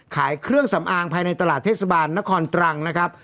ขายเครื่องสำอางภายในตลาดเทศบาลนครตรังนะครับ